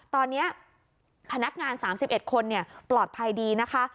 ตอนนี้พนักงาน๓๑คนปลอดภัยดีนะคะ